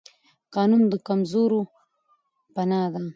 قانون د کمزورو پناه ده